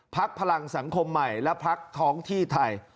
พรรคพลังสังคมใหม่และพรรคท้องที่ไทย